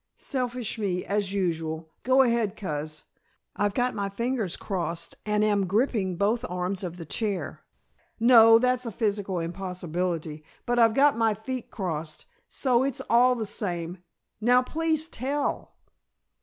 "Selfish me, as usual. Go ahead, Coz. I've got my fingers crossed and am gripping both arms of the chair. No, that's a physical impossibility; but I've got my feet crossed, so it's all the same. Now please tell!"